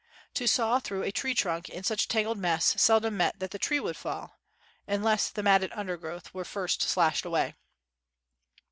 To saw through a tree trunk in such a tangled mass, seldom meant 54 JUNGLE ROADS AND OX CARTS that the tree would fall, unless the matted undergrowth were first slashed away.